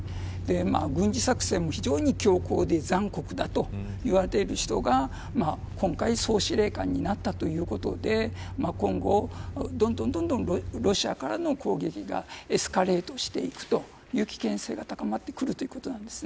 軍事作戦も非常に凶行で残酷だといわれている人が今回総司令官になったということで今後、どんどんロシアからの攻撃がエスカレートしていくという危険性が高まってくるということなんです。